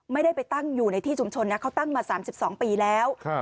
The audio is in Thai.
ไม่ได้ไปตั้งอยู่ในที่ชุมชนนะเขาตั้งมา๓๒ปีแล้ว